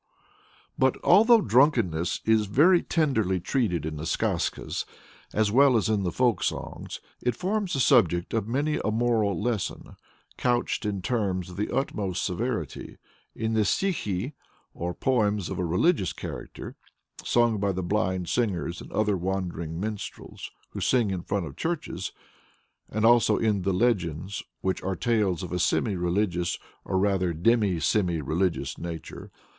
But although drunkenness is very tenderly treated in the Skazkas, as well as in the folk songs, it forms the subject of many a moral lesson, couched in terms of the utmost severity, in the stikhi (or poems of a religious character, sung by the blind beggars and other wandering minstrels who sing in front of churches), and also in the "Legends," which are tales of a semi religious (or rather demi semi religious) nature.